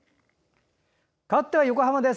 かわっては横浜です。